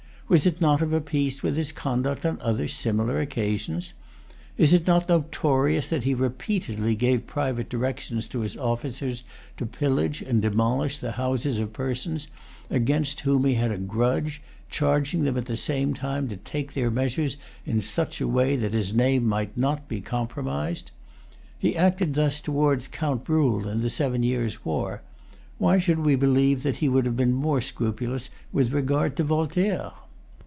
Was it not of a piece with his conduct on other similar occasions? Is it not notorious that he repeatedly gave private directions to his officers to pillage and demolish the houses of persons against whom he had a grudge, charging them at the same time to take their measures in such a way that his name might not be compromised? He acted thus towards Count Bruhl in the Seven Years' War. Why should we believe that he would have been more scrupulous with regard to Voltaire?